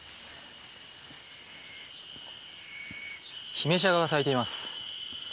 ヒメシャガが咲いています。